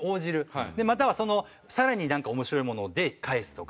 またはその更になんか面白いもので返すとか。